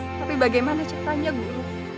tapi bagaimana caranya guru